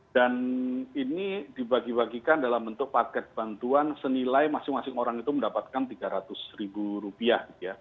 dan ini dibagi bagikan dalam bentuk paket bantuan senilai masing masing orang itu mendapatkan tiga ratus ribu rupiah